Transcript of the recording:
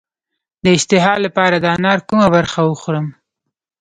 د اشتها لپاره د انار کومه برخه وخورم؟